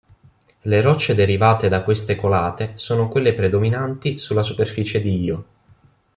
Le rocce derivate da queste colate sono quelle predominanti sulla superficie di Io.